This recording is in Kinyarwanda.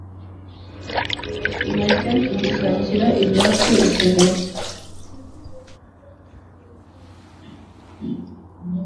bajya kudushakira ibyacu ikigal